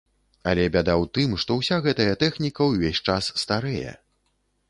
Але бяда ў тым, што ўся гэтая тэхніка ўвесь час старэе!